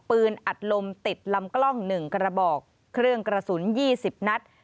ปืนอัดลมติดลำกล้องหนึ่งกระบอกเครื่องกระสุนยี่สิบนัด